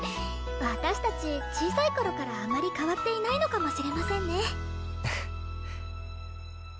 私たち小さい頃からあまり変わっていないのかもしれませんね。